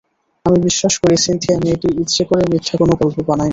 আমি বিশ্বাস করি সিন্থিয়া মেয়েটি ইচ্ছে করে মিথ্যা কোনো গল্প বানায়নি।